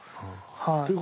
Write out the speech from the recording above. はい。